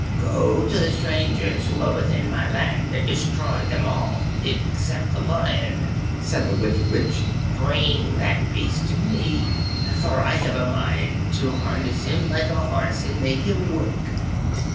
"Go to the strangers who are within my land and destroy them all except the Lion," said the Wicked Witch. "Bring that beast to me, for I have a mind to harness him like a horse, and make him work."